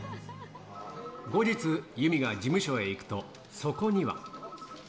後日、由美が事務所へ行くと、そこには。